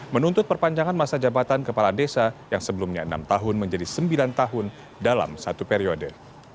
menuntut perpanjangan masa jabatan kepala desa yang sebelumnya enam tahun menjadi sembilan tahun dalam satu periode